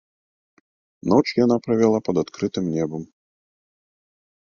Ноч яна правяла пад адкрытым небам.